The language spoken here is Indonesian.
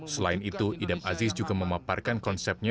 selain itu idam aziz juga memaparkan konsepnya